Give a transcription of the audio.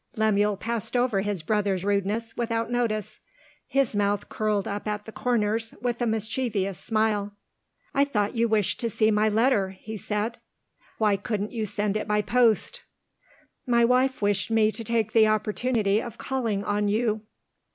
Lemuel passed over his brother's rudeness without notice. His mouth curled up at the corners with a mischievous smile. "I thought you wished to see my letter," he said. "Why couldn't you send it by post?" "My wife wished me to take the opportunity of calling on you."